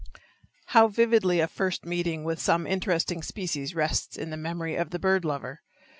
How vividly a first meeting with some interesting species rests in the memory of the bird lover!